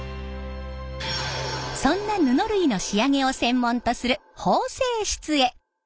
そんな布類の仕上げを専門とする縫製室へ。